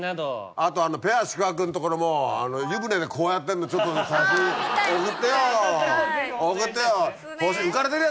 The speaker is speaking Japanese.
あとあのペア宿泊んところも湯船でこうやってんのちょっと先に送ってよ送ってよ。